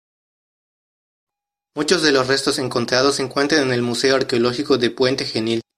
Muchos de los restos encontrados se encuentran en el Museo Arqueológico de Puente Genil.